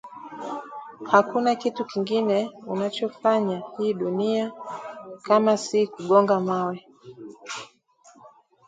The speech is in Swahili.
Hakuna kitu kingine unachofanya hii dunia kama si kugonga mawe